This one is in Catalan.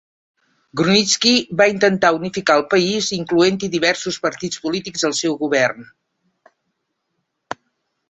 Grunitzky va intentar unificar el país incloent-hi diversos partits polítics al seu govern.